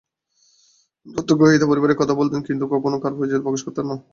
দত্তকগ্রহীতা পরিবারের কথা বলতেন, কিন্তু কখনো কারও পরিচিতি প্রকাশ করতেন না।